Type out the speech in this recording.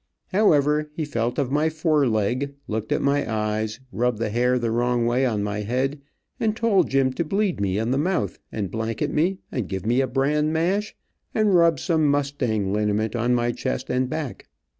However, he felt of my fore leg, looked at my eyes, rubbed the hair the wrong way on my head, and told Jim to bleed me in the mouth, and blanket me, and give me a bran mash, and rub some mustang liniment on my chest and back.